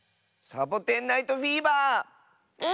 「サボテン・ナイト・フィーバー」は。